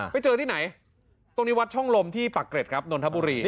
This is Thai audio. ไปเจอที่ไหนตรงนี้วัดช่องลมที่ปากเกร็ดครับนนทบุรี